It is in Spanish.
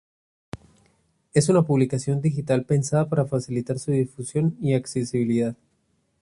Es una publicación digital pensada para facilitar su difusión y accesibilidad.